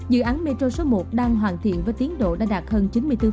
dự án metro số một đang hoàn thiện với tiến độ đã đạt hơn chín mươi bốn